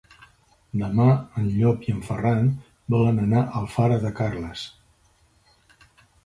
Demà en Llop i en Ferran volen anar a Alfara de Carles.